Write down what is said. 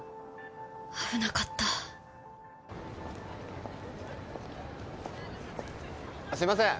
危なかったあっすいません